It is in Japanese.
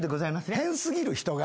変過ぎる人が。